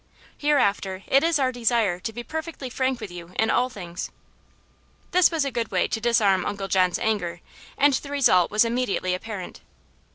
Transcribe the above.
Hereafter it is our desire to be perfectly frank with you in all things." That was a good way to disarm Uncle John's anger, and the result was immediately apparent.